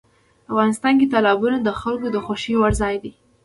افغانستان کې تالابونه د خلکو د خوښې وړ ځای دی.